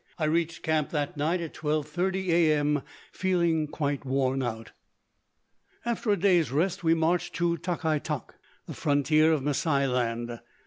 I reached camp that night at 12:30 A. M., feeling quite worn out. After a day's rest we marched to Tok i Tok, the frontier of Masai land.